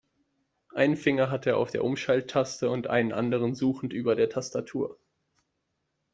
Einen Finger hat er auf der Umschalttaste und einen anderen suchend über der Tastatur.